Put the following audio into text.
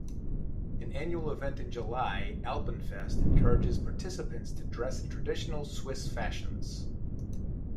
An annual event in July, Alpenfest, encourages participants to dress in traditional Swiss fashions.